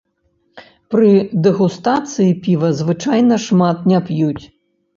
Пры дэгустацыі піва звычайна шмат не п'юць.